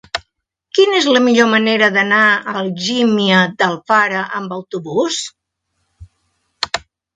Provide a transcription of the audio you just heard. Quina és la millor manera d'anar a Algímia d'Alfara amb autobús?